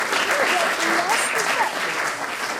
Tnuda fell-as, tufa-t.